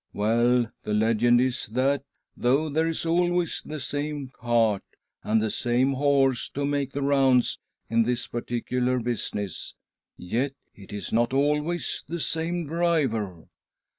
Well, the legend is that, though there is always the same cart and the same horse to make the rounds in this particular business, yet it is not always the same driver.